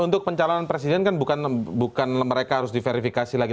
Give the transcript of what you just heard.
untuk pencalonan presiden kan bukan mereka harus diverifikasi lagi